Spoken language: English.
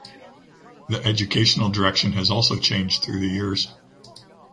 The educational direction has also changed through the years.